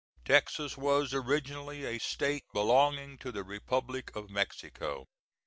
Texas was originally a state belonging to the republic of Mexico.